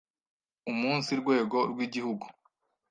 Umunsi rwego rw’Igihugu